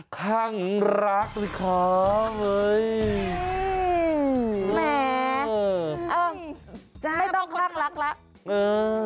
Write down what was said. ข้างรักด้วยของเฮ้ยแหมเออไม่ต้องรักรักรักเออ